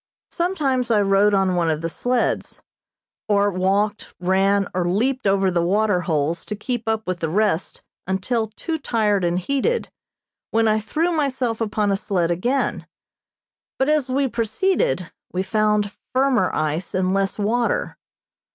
Sometimes I rode on one of the sleds or walked, ran or leaped over the water holes to keep up with the rest until too tired and heated, when I threw myself upon a sled again; but as we proceeded we found firmer ice and less water.